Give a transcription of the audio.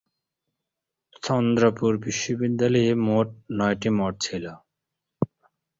চন্দ্রপুর বিশ্ববিদ্যালয়ে মোট নয়টি মঠ ছিল।